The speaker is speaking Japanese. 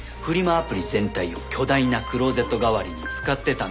アプリ全体を巨大なクローゼット代わりに使ってたんでしょう。